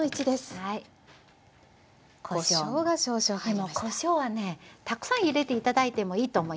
でもこしょうはねたくさん入れて頂いてもいいと思いますので。